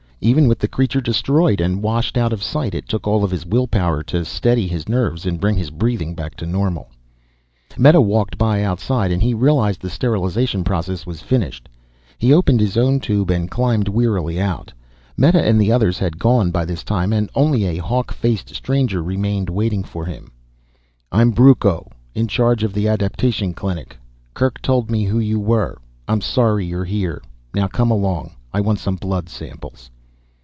Even with the creature destroyed and washed out of sight it took all of his will power to steady his nerves and bring his breathing back to normal. Meta walked by outside and he realized the sterilization process was finished. He opened his own tube and climbed wearily out. Meta and the others had gone by this time and only a hawk faced stranger remained, waiting for him. "I'm Brucco, in charge of the adaptation clinic. Kerk told me who you were. I'm sorry you're here. Now come along, I want some blood samples."